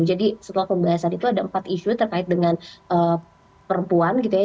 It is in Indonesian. jadi setelah pembahasan itu ada empat isu terkait dengan perempuan gitu ya